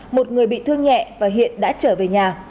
một người bị thương nhẹ và hiện đã trở về nhà